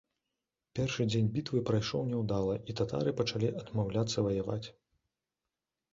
Першы дзень бітвы прайшоў няўдала і татары пачалі адмаўляцца ваяваць.